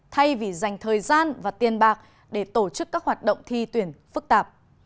thay vì dành thời gian và tiền bạc để tổ chức các hoạt động thi tuyển phức tạp